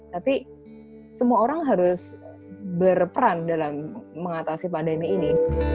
tapi semua orang harus berperan dalam mengatasi pandemi ini